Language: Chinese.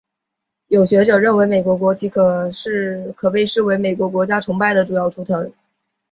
有学者认为美国国旗可被视为美国国家崇拜的主要图腾。